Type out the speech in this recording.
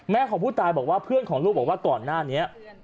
ของผู้ตายบอกว่าเพื่อนของลูกบอกว่าก่อนหน้านี้